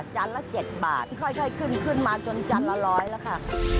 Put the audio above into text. จานละ๗บาทค่อยขึ้นขึ้นมาจนจานละร้อยแล้วค่ะ